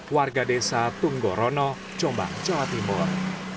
warga desa tunggorono jombang jawa timur